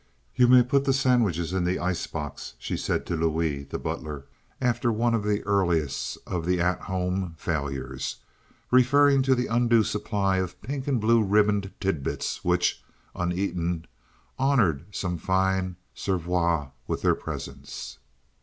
"You may put the sandwiches in the ice box," she said to Louis, the butler, after one of the earliest of the "at home" failures, referring to the undue supply of pink and blue ribboned titbits which, uneaten, honored some fine Sevres with their presence.